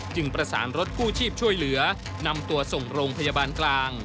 ประสานรถกู้ชีพช่วยเหลือนำตัวส่งโรงพยาบาลกลาง